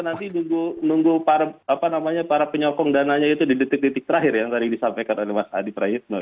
nanti nunggu para penyokong dananya itu di detik detik terakhir yang tadi disampaikan oleh mas adi prayitno